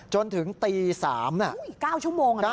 จนถึงตี๓น่ะ๙ชั่วโมง